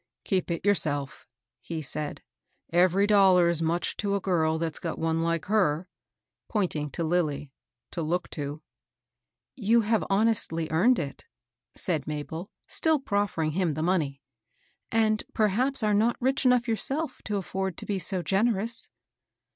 " Keep it yourself," he said. " Every dollar's much to a girl that's got one like her "— pointing to Lilly, —" to look to," "You have honestly earned it," said Mabd, still proffering him the money ;" and perhaps are not rich enough yourseEF to afford to be so gener ous."